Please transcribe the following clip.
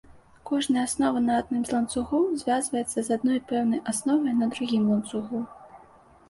Кожная аснова на адным з ланцугоў звязваецца з адной пэўнай асновай на другім ланцугу.